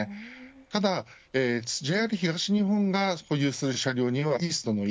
ただＪＲ東日本が保有する車両にはイーストのＥ